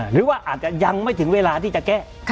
หรือว่าอาจจะยังไม่ถึงเวลาที่จะแก้